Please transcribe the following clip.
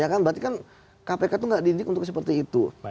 berarti kan kpk itu tidak dididik untuk seperti itu